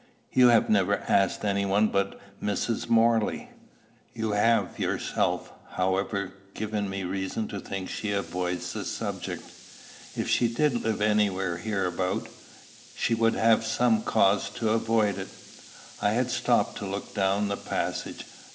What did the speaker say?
"You have never asked any one but Mrs. Morley." "You have yourself, however, given me reason to think she avoids the subject. If she did live anywhere hereabout, she would have some cause to avoid it." I had stopped to look down the passage.